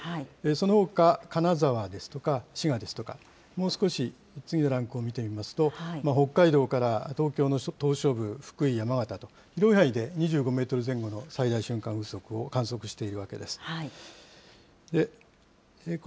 そのほか、金沢ですとか、滋賀ですとか、もう少し次のランクを見てみますと、北海道から東京の島しょ部、福井、山形と、広い範囲で２５メートル前後の最大瞬間風速を観測しているわけです。